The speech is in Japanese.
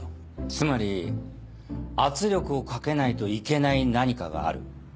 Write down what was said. つまり圧力をかけないといけない何かがある。